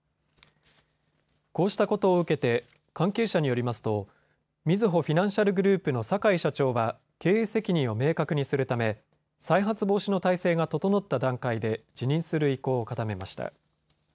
こうしたことを受けて関係者によりますとみずほフィナンシャルグループの坂井社長は経営責任を明確にするため再発防止の態勢が整った段階で辞任する意向を固めました。